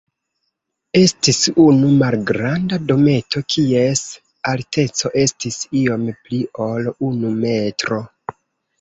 Estis unu malgranda dometo, kies alteco estis iom pli ol unu metro.